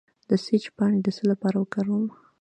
د سیج پاڼې د څه لپاره وکاروم؟